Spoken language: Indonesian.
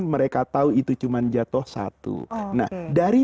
mereka tahu itu cuma jatuh satu nah dari